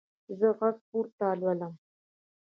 زه غږ پورته لولم.